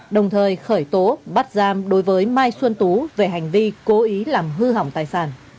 đồng thời khởi tố bắt giam đối với mai xuân tú về hành vi cố ý làm hư hỏng tài sản